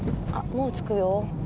もう着くよ。